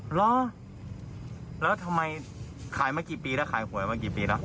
เหรอแล้วทำไมขายมากี่ปีแล้วขายหวยมากี่ปีแล้ว